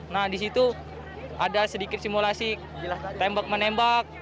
nah disitu ada sedikit simulasi tembak menembak